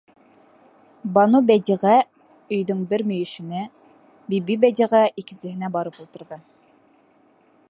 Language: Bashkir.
Банубәдиғә өйҙөң бер мөйөшөнә, Бибибәдиғә икенсеһенә барып ултырҙы.